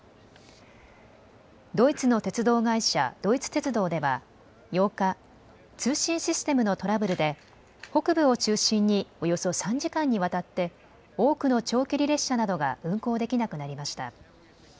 ドイツの鉄道会社、ドイツ鉄道では８日、通信システムのトラブルで北部を中心におよそ３時間にわたって多くの長距離列車などが運行できなくなりました。